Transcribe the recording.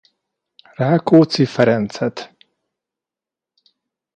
Rákóczi Ferencet.